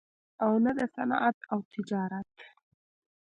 او نه دَصنعت او تجارت